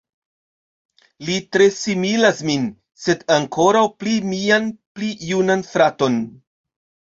Li tre similas min, sed ankoraŭ pli mian pli junan fraton.